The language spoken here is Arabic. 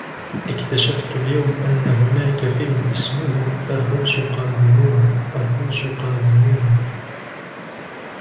اكتشفت اليوم أن هناك فيلم اسمه " الروس قادمون! " الروس قادمون!